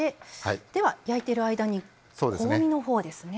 では焼いてる間に香味のほうですね。